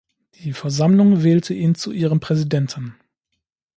Die Versammlung wählte ihn zu ihrem Präsidenten.